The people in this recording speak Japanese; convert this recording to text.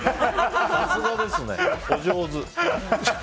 さすがですね、お上手。